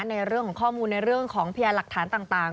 ในเรื่องของข้อมูลในเรื่องของพยานหลักฐานต่าง